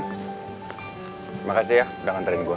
terima kasih ya udah nganterin gua